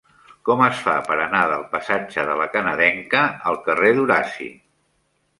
Com es fa per anar del passatge de La Canadenca al carrer d'Horaci?